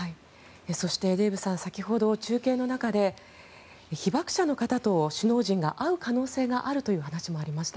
そしてデーブさん先ほど中継の中で被爆者の方と首脳陣が会う可能性があるという話もありました。